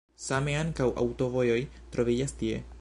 Same ankaŭ aŭtovojoj troviĝas tie.